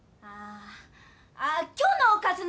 あ今日のおかず何？